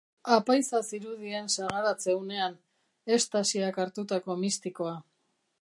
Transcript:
Apaiza zirudien sagaratze unean, estasiak hartutako mistikoa.